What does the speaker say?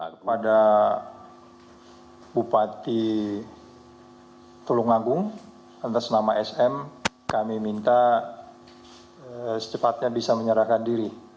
kepada bupati tulung agung nanti senama sm kami minta secepatnya bisa menyerahkan diri